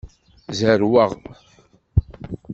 Zerrweɣ.